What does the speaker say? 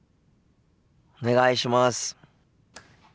お願いします。